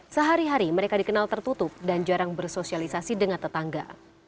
sehari hari mereka dikenal tertutup dan jarang bersosialisasi dengan tetangga